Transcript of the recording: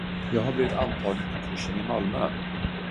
Jag har blivit antagen till kursen i Malmö!